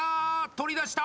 取り出した！